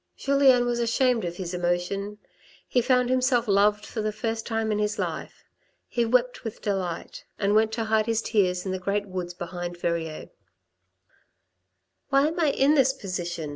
Julien was ashamed of his emotion ; he found himself loved for the first time in his life ; he wept with delight ; and went to hide his tears in the great woods behind Verrieres. " Why am I in this position